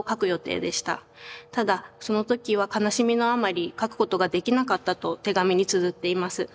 ただその時は悲しみのあまり描くことができなかったと手紙につづっています。